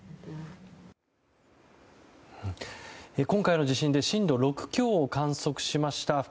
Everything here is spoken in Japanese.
今回の地震で震度６強を観測しました